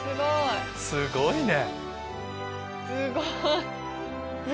すごいね！